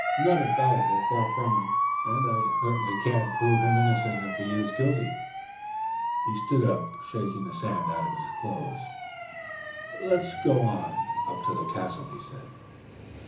I'm not infallible; far from it. And I certainly can't prove him innocent if he is guilty." He stood up, shaking the sand out of his clothes. "Let us go on, up to the castle," he said.